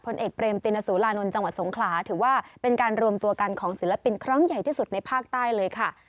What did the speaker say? เอกเปรมตินสุรานนท์จังหวัดสงขลาถือว่าเป็นการรวมตัวกันของศิลปินครั้งใหญ่ที่สุดในภาคใต้เลยค่ะ